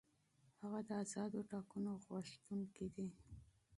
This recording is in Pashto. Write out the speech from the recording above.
هغه د آزادو ټاکنو غوښتونکی دی.